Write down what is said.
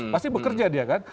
pasti bekerja dia kan